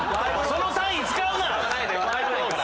その単位使うな！